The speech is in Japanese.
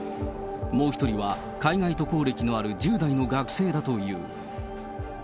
もう１人は海外渡航歴のある１０代の学生だという。